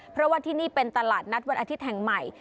เพราะว่าที่นี่เป็นตลาดนัดวันอาทิตย์แห่งใหม่